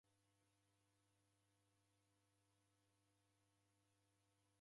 Kwalow'olwa lihi?